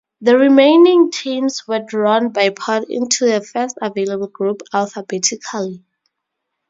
The remaining teams were drawn by pot into the first available group alphabetically.